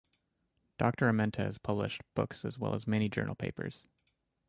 Doctor Amenta has published books as well as many journal papers.